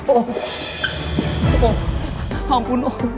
oh oh oh ampun om